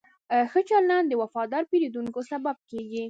ښه چلند د وفادار پیرودونکو سبب کېږي.